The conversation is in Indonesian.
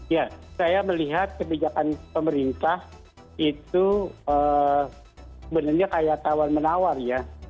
ya saya melihat kebijakan pemerintah itu sebenarnya kayak tawar menawar ya